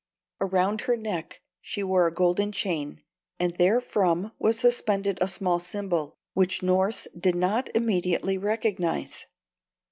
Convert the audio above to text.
Around her neck she wore a golden chain, and therefrom was suspended a small symbol, which Norss did not immediately recognize.